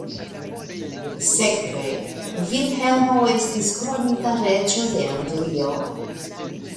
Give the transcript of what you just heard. Sekve Vilhelmo estis kronita reĝo de Anglio.